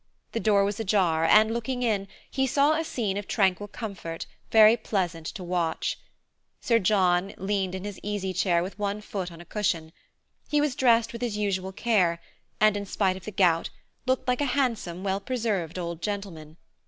The door was ajar, and looking in, he saw a scene of tranquil comfort, very pleasant to watch. Sir John leaned in his easy chair with one foot on a cushion. He was dressed with his usual care and, in spite of the gout, looked like a handsome, well preserved old gentleman.